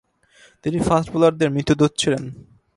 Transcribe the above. তিনি ফাস্ট বোলারদের মৃত্যুদূত ছিলেন।